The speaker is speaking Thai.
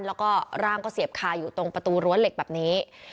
แล้วก็ร่างก็เสียบคาอยู่ตรงประตูรั้วเหล็กแบบนี้